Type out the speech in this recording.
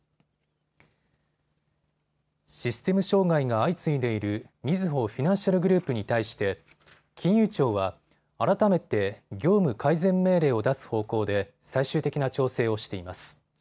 システム障害が相次いでいるみずほフィナンシャルグループに対して金融庁は改めて業務改善命令を出す方向で最終的な調整をしています。